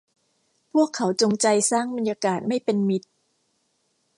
พวกเขาจงใจสร้างบรรยากาศไม่เป็นมิตร